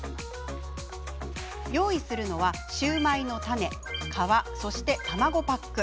用意するのはシューマイのタネ皮、そして卵パック。